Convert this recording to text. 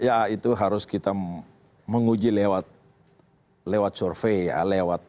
ya itu harus kita menguji lewat survei lewat